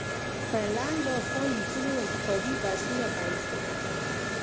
پر لنډ داستان ليکلو انتقادي بحثونه پيل شول.